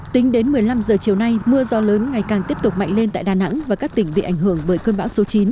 tính đến một mươi năm h chiều nay mưa gió lớn ngày càng tiếp tục mạnh lên tại đà nẵng và các tỉnh bị ảnh hưởng bởi cơn bão số chín